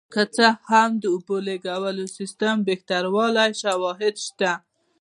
که څه هم د اوبو لګونې سیستم بهتروالی شواهد شته